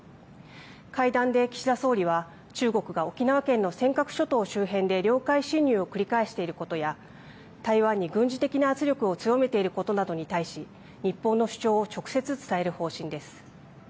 会談で岸田総理は中国が沖縄県の尖閣諸島周辺で領海侵入を繰り返していることや台湾に軍事的な圧力を強めていることなどに対し日本の主張を直接伝える方針です。